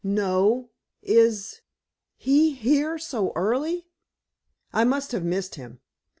No. Is he here so early?" "I must have missed him."